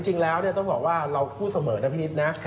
จริงแล้วต้องบอกว่าเราพูดเสมอนะพี่นิดนะ